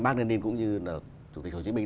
mark lennon cũng như là chủ tịch hồ chí minh